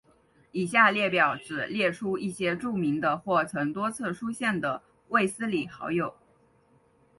以下列表只列出一些著名的或曾多次出现的卫斯理好友。